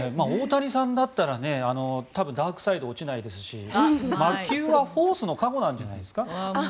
大谷さんだったら多分、ダークサイドに落ちないですし魔球はフォースの加護なんじゃないですか。